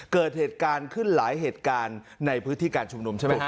เกิดเหตุการณ์ขึ้นหลายเหตุการณ์ในพฤติการณ์ชมนมใช่ไหมครับ